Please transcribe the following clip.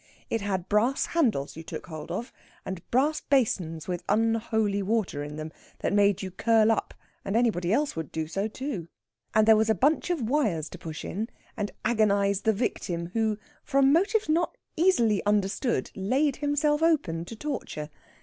It had brass handles you took hold of, and brass basins with unholy water in them that made you curl up, and anybody else would do so too. And there was a bunch of wires to push in, and agonize the victim who, from motives not easily understood, laid himself open to torture.